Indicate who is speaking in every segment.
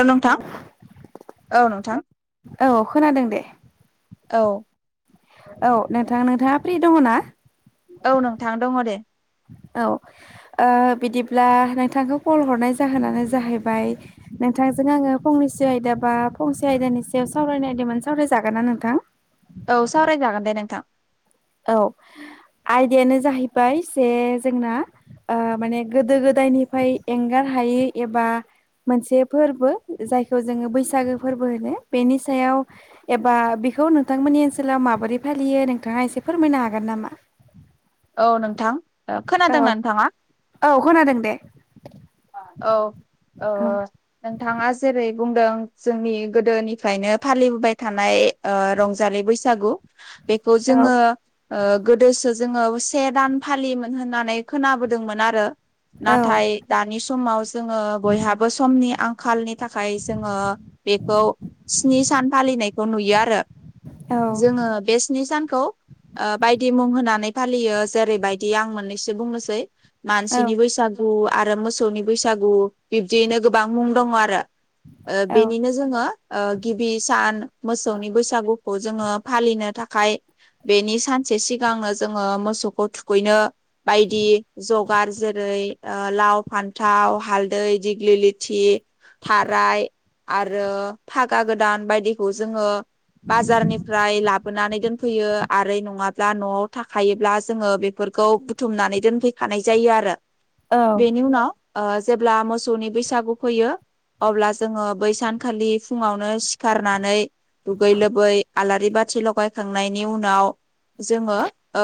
Speaker 1: औ नोंथां औ नोंथां
Speaker 2: औ खोनादों दे
Speaker 1: औ
Speaker 2: औ नोंथां नोंथाङा फ्रि दङ ना?
Speaker 1: औ नोंथां दङ दे।
Speaker 2: औ ओ बिदिब्ला नोंथांखौ कल हरनाय जाहोनानो जाहैबाय नों थांजों आङो फंनैसो आयदा बा फंसे आयदानि सायाव सावरायनो नागिरदोंमोन सावरायजागोन ना नोंथां
Speaker 1: औ सावरायजागोन दे नोंथां।
Speaker 2: औ आयदायानो जाहैबाय जे जोंना ओ माने गोदो गोदायनिफ्राय एंगारहायै एबा मोनसे फोरबो जायखौ जोङो बैसागो फोरबो होनो बेनि सायाव एबा बे खौ नोंथांमोननि ओनसोलाव माबोरै फालियो नोंथाङा एसे फोरमायनो हागोन नामा
Speaker 1: औ नोंथां खोनादोंना
Speaker 2: औ
Speaker 1: नोंथाङा
Speaker 2: औ खोनादों दे
Speaker 1: [inaudible] औ ओ
Speaker 2: औ
Speaker 1: नोंथाङा जेरै बुंदों जोंनि गोदोनिफ्रायनो फालिबोबाय थानाय ओ रंजालि बैसागु बेखौ
Speaker 2: औ
Speaker 1: जोङो ओ गोदोसो जोङो से दान फालियोमोन होननानै खोनाबोदोंमोन आरो नाथाय दानि समाव जोङो बयहाबो समनि आंखालनि थाखाय जोङो बेखौ स्नि सान फालिनायखौ नुयो आरो
Speaker 2: औ
Speaker 1: जोङो बे स्नि सानखौ ओ बायदि मुं होनानै फालियो जेरैबायदि आं मोननैसो बुंनोसै मानसिनि बैसागु आरो मोसौनि बैसागु बिब्दियैनो गोबां मुं दङ आरो ओ
Speaker 2: औ
Speaker 1: बेनिनो जोङो गिबि सान मोसौनि बैसागु खौ जोङो फालिनो थाखाय बेनि सानसे सिगांनो जोङो मोसौखौ थुखैनो बायदि जगार जेरै लाव, फान्थाव, हालदै, दिग्लिलिथि थाराय आरो फागा गोदान बायदिखौ जोङो बाजारनिफ्राय लाबोनानै दोनफैयो आरो नङाब्ला न'आवनो थाखायोब्ला जोङो बेफोरखौ बुथुमनानै दोनफैखानाय जायो आरो बेनि उनाव ओ जेब्ला मोसौनि बैसागु फैयो अब्ला जोङो बै सानखालि फुङावनो सिखारनानै दुगै लोबै आलारि बाथि लगायखांनायनि उनाव जोङो ओ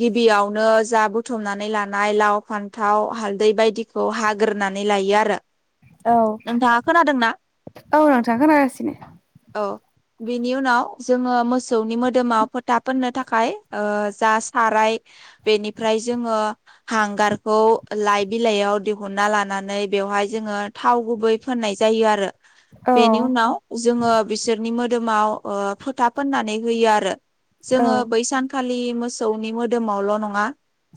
Speaker 1: गिबियावनो जा बुथुमनानै लानाय लाव फान्थाव हालदै बायदिखौ हाग्रोनानै लायो आरो
Speaker 2: औ
Speaker 1: नोंथाङा खोनादोंना
Speaker 2: औ नोंथां खोनागासिनो
Speaker 1: [inaudible] औ बिनि उनाव जोङो मोसौनि मोदोमाव फोथा फोननो थाखाय ओ जा साराय बेनिफ्राय जोङो हांगारखौ लाइ बिलाइयाव दिहुनना लानानै बेवहाय जोङो थाव गुबै फोननाय जायो आरो
Speaker 2: औ
Speaker 1: बेनि उनाव जोङो बिसोरनि मोदोमाव ओ फोथा फोननानै होयो आरो
Speaker 2: औ
Speaker 1: जोङो बै सानखालि मोसौनि मोदोमावल' नङा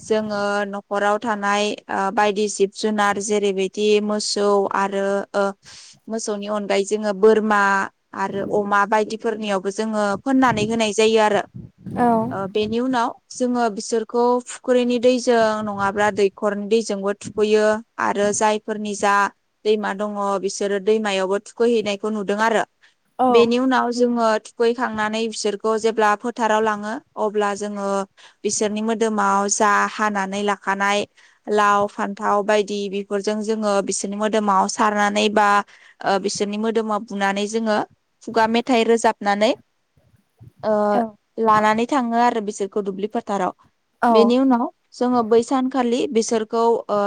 Speaker 1: जोङो नखराव थानाय ओ बायदि जिब जुनार जेरैबायदि मोसौ आरो ओ मोसौनि अनगायै जोङो बोरमा आरो अमा बायदिफोरनियावबो जोङो फोननानै होनाय जायो आरो
Speaker 2: औ
Speaker 1: बेनि उनाव जोङो बिसोरखौ फुख्रिनि दैजों नङाब्ला दैखरनि दैजोंबो थुखैयो आरो जायफोरनि दा दैमा दङ बिसोरो दैमायावबो थुखैहैनायखौ नुदों आरो
Speaker 2: औ
Speaker 1: बेनि उनाव जोङो थुखैखांनानै फिसोरखौ जेब्ला फोथाराव लाङो अब्ला जोङो बिसोरनि मोदोमाव जा हानानै लाखानाय लाव फान थाव बायदि बेफोरजों जोङो बिसोरनि मोदोमाव सारनानै बा ओ बिसोरनि मोदोमाव फु ननानै जङो खुगा मेथाइ रोजाबनानै
Speaker 2: [inaudible]
Speaker 1: ओ लानानै थाङो आरो बिसोरखौ दुब्लि फोथाराव बेनि उनाव जोङो बै सानखालि बिसोरखौ ओ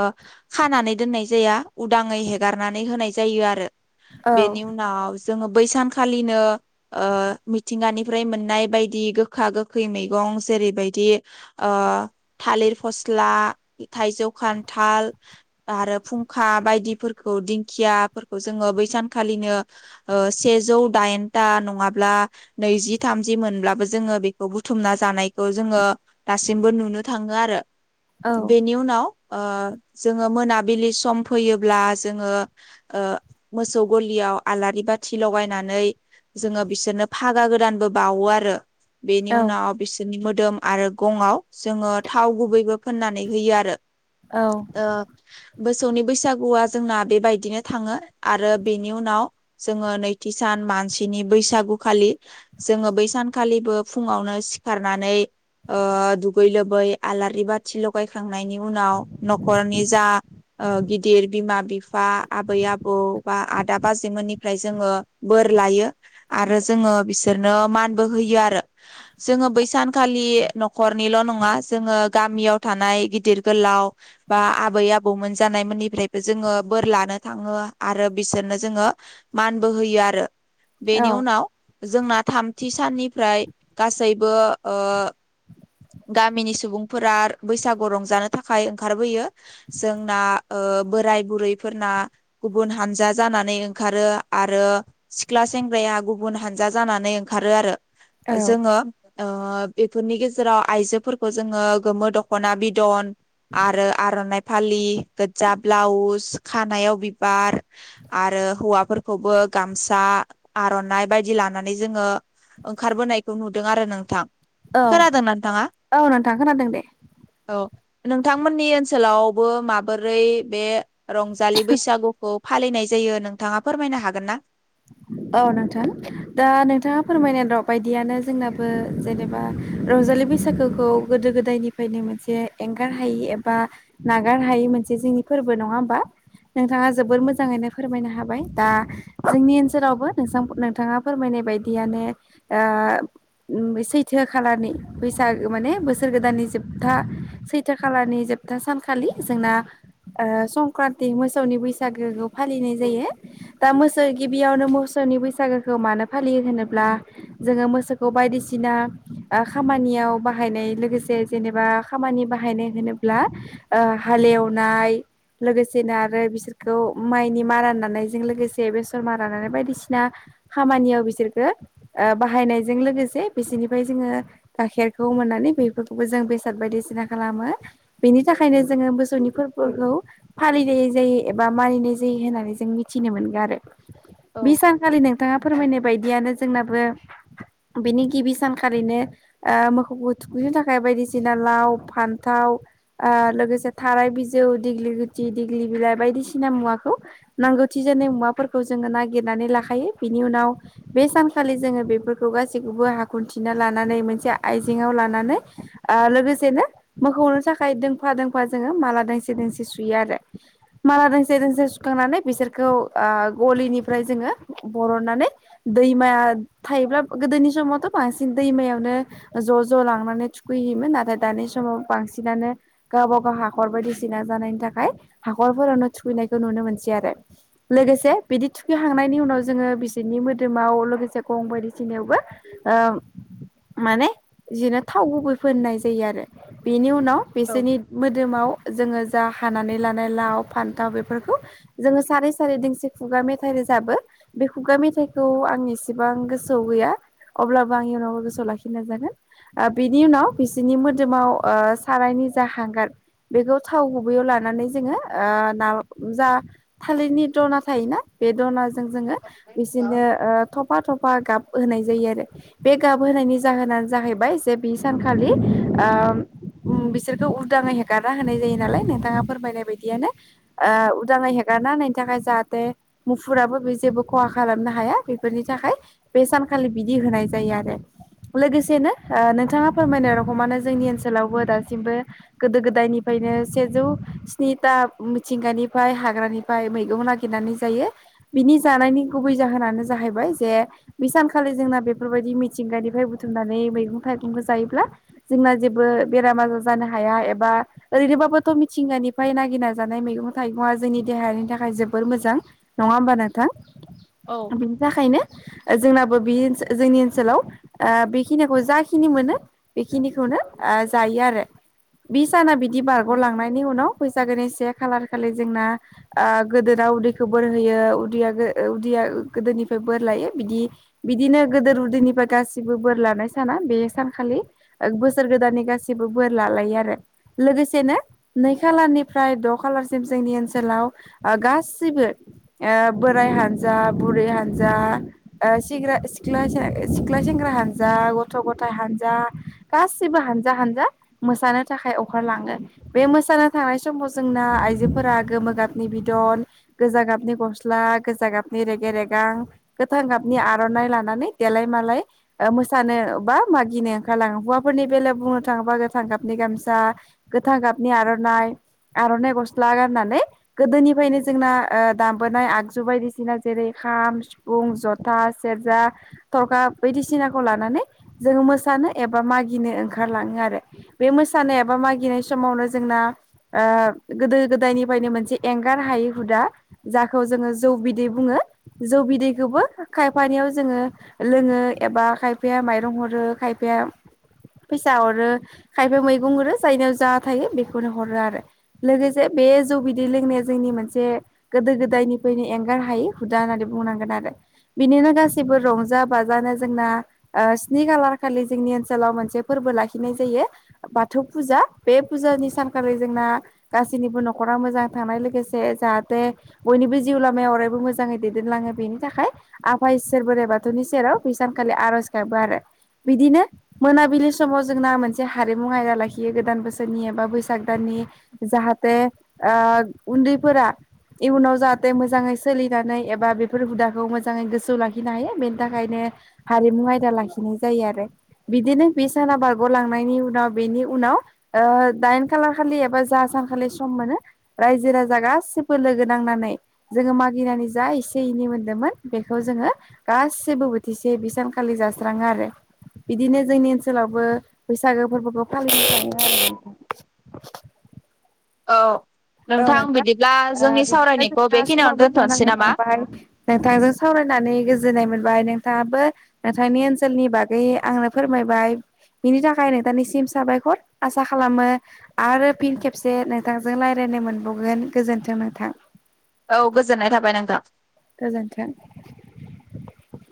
Speaker 1: खानानै दोननाय जाया उदाङै हेगारनानै होनाय जायो आरो बेनि उनाव जोङो बै सानखालिनो ओ मिथिंगानिफ्राय मोननाय बायदि गोखा गोखा गोखै मैगं जेरैबायदि ओ थालिर फस्ला थाइजौ खान- थाल आरो फुंखा बायदिफोरखौ दिंखियाफोरखौ जोङो बैसानखालिनो सेजौ दाइनथा नङाब्ला नैजि थामजि मोनब्लाबो जोङो बे बुथुमना जानायखौ जोङो दासिमबो नुनो थाङो आरो बेनि उनाव जोङो मोनाबिलि सम फैयोब्ला जोङो मोसौ गलि याव आलारि बाथि लगायनानै जोङो बिसोरनो फागा गोदानबो बाावो आरो बेनि
Speaker 2: औ
Speaker 1: उनाव बिसोरनि मोदोम आरो गंआव जोङो थाव गुबैबो फोननानै होयो आरो
Speaker 2: औ
Speaker 1: आ मोसौनि बैसागुआ जोंना बेबायदिनो थाङो आरो बेनि उनाव जोङो नैथि सान मानसिनि बैसागुखालि जोङो बैसानखालिबो फुङावनो सिखारनानै दुगै लोबै आलारि बाथि लगायखांनायनि उनाव न'खरनि जा गिदिर बिमा बिफा आबै आबौ बा आदा बाजैमोननिफ्राय जोङो बोर लायो आरो जोङो बिसोरनो मानबो होयो आरो जोङो बैसानखालि न'खरनिल' नङा जोङो गामियाव थानाय गिदिर गोलाव बा आबै आबौमोन जानाय मोननिफ्रायबो जोङो बोर लानो थाङो आरो बिसोरनो जो मानबो होयो आरो बेनि उनाव जोंना थामथि साननिफ्राय गासैबो गामिनि सुबुंफोरा बैसागु रंजानो थाखाय ओंखारबोयो जोंना बोराय बुरै फोरना गुबुन हानजा जानानै ओंखारो आरो सिख्ला सेंग्रा गुब हाना जानानै ओंखारो आरो जोङो बेफोरनि गेजेराव जेराव आइजोफोरखौ जोङो गोमो दखना बिदन आरो आर'नाइ फालि गोज्जा ब्लाउस खानायाव बिबार आरो आरो हौवाफोरखौबो गामसा आर'नाइ बायदि लानानै जोङो ओंखारबोनायखौ नुदों आरो नोंथां
Speaker 2: औ
Speaker 1: खोनादोंना नोंथाङा
Speaker 2: औ नोंथां खोनादों दे
Speaker 1: औ नोंथांमोननि ओनसोलावबो माबोरै बे रंजालि बैसागुखौ फालिनाय जायो जायो नोंथाङा फोरमायनो हागोन ना
Speaker 2: [inaudible] औ नोंथां दा नोंथाङा फोरमायनाय र' बायदियानो जोंनाबो जेनेबा रंजालि बैसागोखौ गोदो गोदायनिफ्रायनो मोनसे एंगार हायै एबा नागार हायै मोनसे फोरबो नङा होमबा नोंथाङा जोबोर मोजाङैनो फोरमायनो हाबाय दा जोंनि ओनसोल जेरावबो नों नोंथाङा फोरमायनाय बायदियानो सैथो खालारनि बैसागो माने बोसोर गोदाननि जोबथा सैथो खालानि ज सपथा सानखालि जोंना संक्रान्ति मोसौनि बैसागोखौ फालिनाय जायो दा मोजाङै गिब गिबियावनो मोसौनि बैसागोखौ मानो फालियो होनोब्ला जोङो मोसौखौ बायदिसिना खामानियाव बाहायनाय लोगोसे जेनेबा खामानि बाहायनाय होनोब्ला हाले एवनाय लोगोसेनो आरो बिसोरखौ माइनि मा रानायजों लोगोसे बे रानानै बायदिसिना खामानियाव बिसोरखौो बाहायनायजों लोगोसे बिसोरनिफ्राय ज गाइखेरखौ मोननानै बेफोरखौबो जों बेसाद बायदिसिना खालामो बेनि थाखायनो जो मोसौनि फोरबोखौ फालिनाय जायो एबा मानिनाय जायो होननानै जों मिथिनो मोनगोन आरो
Speaker 1: औ
Speaker 2: बे सानखालि नोंथाङा फोरमायनाय बायदि दियानो जोंनाबो बिनि गिबि सानखालिनो मोसौखौ थुखैनो थाखाय बायदि बायदिसिना लाव फान्थाव लोगोसे थाराय बिजौ बायदिसिना मुवाखौ नांगौथि जानाय मुवाफोरखौ जोङो नागिरनानै लाखायो बिनि उनाव बे सानखालि जोङो बेफोरखौ गासैखौबो हाख खुन्थिनानै मोनसे आइजेंआव लानानै लोगोसेनो मोखौनो थाखाय दोंफा दोंफा जो माला दोंसे दोंसे सुयो आरो माला दोंसे दोंसे सुखांनानै बिसोरखौ गलिनिफ्राय जोङो बरननानै दैमाया थायोब्ला गोदोनि समावथ' बांसिन दैमायावनो ज' ज' लांनानै थुखैहैयोमोन नाथाय दानि समाव बांसिनानो गावबा गावनि दै हाखर बायदिसिना जानायनि थाखाय हाखरफोरावनो थुखैनायखौ नुनो मोनसै आरो लोगोसे बिदि थुखैखांनायनि उनाव जोङो बिसोरनि मोदोमाव लोगोसे गं बायदिसिनायावबो माने बिदिनो थाव गुबै फोननाय जायो आरो बेनि उन उनाव
Speaker 1: औ
Speaker 2: बिसोरनि मोदोमाव जोङो हानानै लानाय लाव फानथाव बेफोरखौ जोङो सारै सारै खुगा मेथाइ रोजाबो बे खुगा मेथाइखौ आं इसेबां गोसोआव गैया अब्लाबो आं इयुनावबो गोसोआव लाखिनो नाजागोन बिनि उनाव बिसोरनि मोदोमाव सारायनि नि जा हांगार बेखौ थाव गुबैयाव लानानै जोङो ना जा थालिरनि दना थायोना बे दनाजों जोङो बिसोनो थफा थफा गाब होनाय जायो आरो बे गाब होनायनि जाहोनानो जाहैबाय जे बे सानखालि बिसोरखौ उदाङै हेगारना होनाय जायो नालाय नोंथाङा फोरमायनाय बायदियानो उदाङै हे गारना होनायनि थाखाय जा मुफुराबो बे जेबो खहा खालामनो हाया बेफोरनि थाखाय बे सानखालि बिदि होनाय जायो। [unintelligible] लोगोसेनो नोंथाङा फोरमायनाय रखमानो जोंनि ओनसोलावबो दासिमबो गोदो गोदायनिफ्राय सेजौ स्न्रि था मिथिंगानिफ्राय हाग्रानिफ्राय मैगं नागि नानै जायो बिनि जानायनि गुबै जाहोनानो जाहैबाय जे बि सानखालि जोंना बेफोरबायदि मिथिंगानिफ्राय बुथुमनानै मैं थाइगं जायोब्ला जोंना जेबो बेराम आजार जानो हाया एबा ओरैनोबाबोथ' मिथिंगानिफ्राय नागिरना जानाय मैगं थाइगंशङा जोंनि देहानि थाखाय जोबोद जोबोर मोजां नङा होमबा नोंथां
Speaker 1: औ
Speaker 2: बिनि थाखायनो जोंनाबो बेओ जोंनि ओनसोलाव बेखिनिखौ जाखिनि मोनो बेखिनिखौनो जायो आरो बिसाना बिदि दि बारग'लांनायनि उनाव बैसागोनि से खालार खालि जोंना ओ गोदोरा उदैखौ बोर होयो उदैया उदैया गोदोरनिफ्राय बोर लायो बिदि बिदिनो गोदोर उदैनिफ्राय गासिबो बोर लानाय साना बे सानखालि बोसोर गोदाननि गासिबो बोर ला आरो लोगोसेनो नै खालारनिफ्राय द' खालारसिम जोंनि ओनसोलाव गासैबो बोराय हानजा बुरै हानजा सेंग्रा सिख्ला सेंग्रा हानजा गथ' गथाय हानजा गासैबो हानजा हानजा मोसानो थाखाय अंखार लाङो बे मोसानो थांनाय समाव जोंना आइजोफोरा गोमो गाबनि बिदि बिदन गोजा गाबनि गस्ला गोजा गाबनि रेगे रेगां गोथां गाबनि आर'नाइ लाना नै देलाय मालाय मोसानो बा मागिनो ओंखारलाङो हौवाफोरनि बेलायाव बुंनो थाङोबा गाबनि गामसा गोथां गाबनि आर'नाइ आर'नाइ गस्ला गाननानै गोदोनि यनो जोंना दामबोनाय आगजु बायदिसिना जेरै खाम सिफुं जथा सेरजा थरखा बायदिसिनाखौ लानानै जोङो मोसानो एबा मागिनो ओंखारलाङो आरो बे मोसानाय एबा मागिनाय समावनो जोंना गोदो गोदायनिफ्रायनो मोनसे एं गार हायै हुदा जाखौ जोङो जौ बिदै बुङो जौ बिदैखौबो खायफानियाव जों लोङो एबा खायफाया माइरं हरो खायफाया फैसा हरो खायफा मैगं हरो जायनियाव जा थायो बेखौनो हरो आरो लोगोसे बे जौ बिदै लोंनाया जोंनि मोनसे गोदो गोदायनिफ्रायनो एंगार हायै हुदा होननानै बुंनांगोन आरो बिदिनो गासिबो रंजा बाजानो जोंना स्नि खालार खालि जोंनि ओनसोलाव मोनसे फोरबो लाखिनाय जायो बाथौ फुजा बे फुजानि सानखालि जोंना गासैनिबो न'खरा मोजां थानाय लोगोसे जाहाथे बयनिबो जिउ लामायाव अरायबो मोजाङै दैदेनलाङो बेनि थाखाय आफा इसोर बोर बोराइ बाथौनि सेराव बे सानखालि आर'ज गाबो आरो बिदिनो मोनाबिलि समाव जोंना मोनसे हारिमु आयदा लाखियो गोदान बोसोरनि एबा बैसाग दाननि नि ओ‌ जाहाथे उन्दैफोरा इयुनाव जाहाथे मोजाङै सोलिनानै एबा बेफोर हुदाखौ मोजाङै गोसोआव लाखिनो हायो बेनि थाखायनो हारिमु आयदा लाखिनाय जायो आरो बिदिनो बे साना बारग'लांनायनि उनाव बेनि उनाव नाव ओ दाइन खालार खालि एबा जा सानखालि सम मोनो रायजो राजा गासिबो लोगो नांनानै जोङो मागिनानै जा एसे एनै मोन्दोंमोन बेखौ जों ओ गासैबो बोथिसे बि सानखालि जास्राङो आरो बिदिनो जोंनि ओनसोलावबो बैसागो फोरबोखौ फालिनो थाङो आरो [inaudible]
Speaker 1: औ
Speaker 2: औ नोंथां
Speaker 1: बिदिब्ला जोंनि
Speaker 2: ओ बिदिनो
Speaker 1: सावरायनायखौ
Speaker 2: जोंना
Speaker 1: बेखिनियावनो
Speaker 2: समाबो
Speaker 1: दोनथ'नोसै
Speaker 2: जानानै
Speaker 1: नामा?
Speaker 2: थांबाय नोंथांजों सावराय होननानै गोजोननाय मोनबाय नोंथाङाबो नोंथांनि ओनसोलनि बागै आंनो फोरमायबाय बिनि थाखाय नोंथांनिसिम साबायखर आसा खालामो आरो फिन खेबसे नोंथांजों लाय रायनो मोनबावगोन गोजोन्थों नोंथां।
Speaker 1: औ गोजोननाय थाबाय नोंथां
Speaker 2: गोजोन्थों